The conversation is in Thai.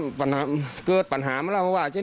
ขอเหตุช่วยขนของตอนสร้างห้องน้ำด้วยซ้ำอะ